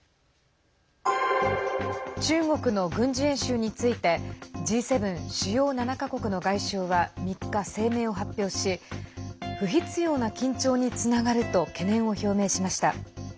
中国の軍事演習についてＧ７＝主要７か国の外相は３日、声明を発表し不必要な緊張につながると懸念を表明しました。